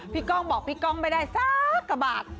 พี่ก้องบอกพี่ก้องไปได้ซากกระบาด